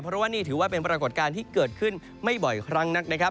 เพราะว่านี่ถือว่าเป็นปรากฏการณ์ที่เกิดขึ้นไม่บ่อยครั้งนักนะครับ